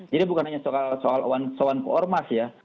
jadi bukan hanya soal soal ke ormas ya